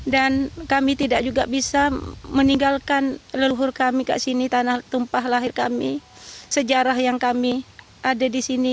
dan kami tidak juga bisa meninggalkan leluhur kami di sini tanah tumpah lahir kami sejarah yang kami ada di sini